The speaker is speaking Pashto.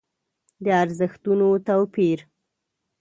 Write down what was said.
د ارزښتونو توپير.